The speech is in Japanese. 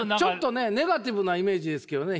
ネガティブなイメージですけどね！